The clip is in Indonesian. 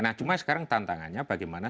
nah cuma sekarang tantangannya bagaimana